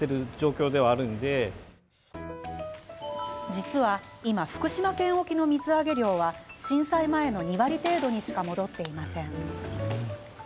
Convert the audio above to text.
実は今、福島県沖の水揚げ量は震災前の２割程度にしか戻っていません。